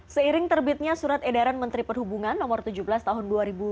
seiring terbitnya surat edaran menteri perhubungan no tujuh belas tahun dua ribu dua puluh